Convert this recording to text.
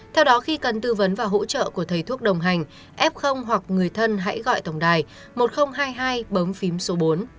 theo đó khi cần tư vấn và hỗ trợ của thầy thuốc đồng hành f hoặc người thân hãy gọi tổng đài một nghìn hai mươi hai bấm phím số bốn